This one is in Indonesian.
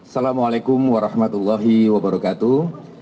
salam alaikum warahmatullahi wabarakatuh